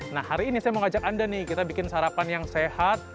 nah hari ini saya mau ngajak anda nih kita bikin sarapan yang sehat